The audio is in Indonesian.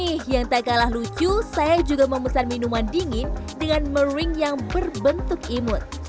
nih yang tak kalah lucu saya juga memesan minuman dingin dengan mering yang berbentuk imut